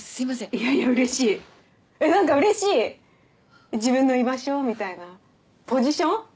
いやいやうれしいなんかうれしい自分の居場所みたいなポジション？